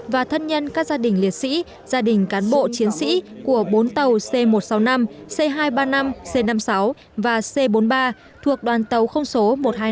và thân nhân các gia đình liệt sĩ gia đình cán bộ chiến sĩ của bốn tàu c một trăm sáu mươi năm c hai trăm ba mươi năm c năm mươi sáu và c bốn mươi ba thuộc đoàn tàu không số một trăm hai mươi chín